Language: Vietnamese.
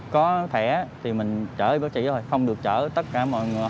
có thẻ thì mình chở y bác sĩ thôi không được chở tất cả mọi người